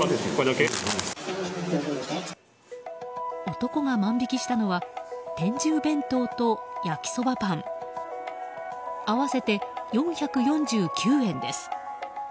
男が万引きしたのは天重弁当と焼きそばパン合わせて４４９円です。